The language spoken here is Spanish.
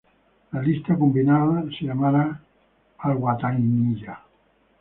La lista combinada se llamará Al-Wataniya.